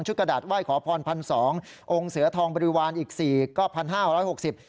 ชุดกระดาษไหว้ขอพรพันสององค์เสือทองบริวารอีก๔ก็๑๕๖๐บาท